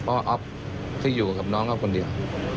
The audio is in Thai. เพราะว่าอ๊อฟที่อยู่กับน้องเขาคนเดียว